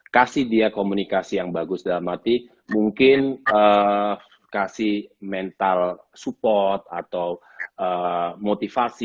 kasih dia komunikasi yang bagus dalam arti mungkin kasih mental support atau motivasi